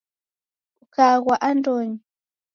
Ukaghwa andonyi